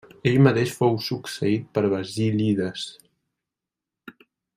Ell mateix fou succeït per Basílides.